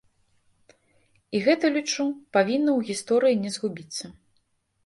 І гэта, лічу, павінна ў гісторыі не згубіцца.